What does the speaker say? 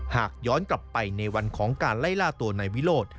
หากย้อนกลับไปในวันของการไล่ล่าตัวนายวิโรธ